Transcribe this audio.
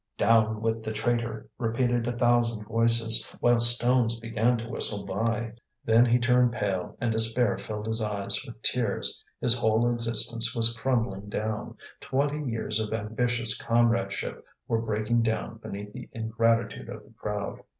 "Down with the traitor!" repeated a thousand voices, while stones began to whistle by. Then he turned pale, and despair filled his eyes with tears. His whole existence was crumbling down; twenty years of ambitious comradeship were breaking down beneath the ingratitude of the crowd.